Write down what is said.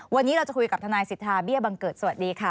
วันนี้เราจะคุยกับทนายสิทธาเบี้ยบังเกิดสวัสดีค่ะ